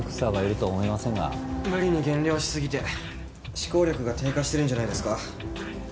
無理に減量しすぎて思考力が低下してるんじゃないですか？